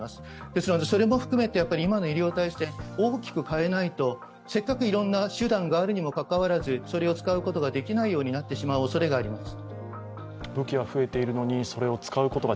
ですので、それも含めて今の医療体制を大きく変えないと、せっかくいろんな手段がある二もかかかわらずそれを使うようなことができないおそれがあります。